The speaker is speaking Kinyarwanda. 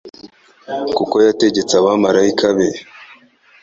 kuko yategetse abamalayika be